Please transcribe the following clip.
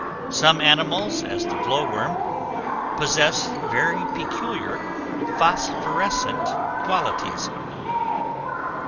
Some animals, as the glow worm, possess very peculiar phosphorescent qualities.